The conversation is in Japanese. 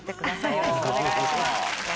よろしくお願いします。